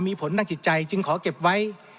มีผลทางจิตใจจึงขอเก็บไว้